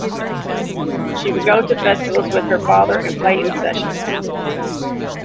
She would go to festivals with her father and play in sessions.